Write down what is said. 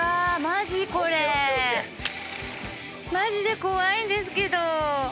マジで怖いんですけど。